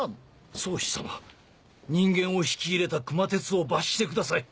宗師様人間を引き入れた熊徹を罰してください。